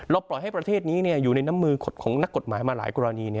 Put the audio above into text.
ปล่อยให้ประเทศนี้อยู่ในน้ำมือของนักกฎหมายมาหลายกรณี